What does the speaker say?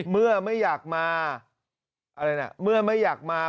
เมื่อไม่อยากมา